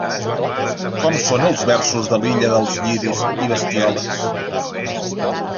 Com són els versos de l'Illa dels lliris i Bestioles?